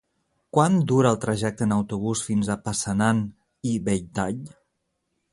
Quant dura el trajecte en autobús fins a Passanant i Belltall?